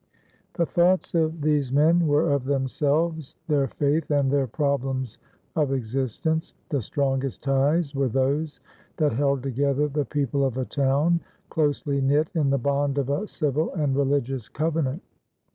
The thoughts of these men were of themselves, their faith, and their problems of existence. The strongest ties were those that held together the people of a town, closely knit in the bond of a civil and religious covenant.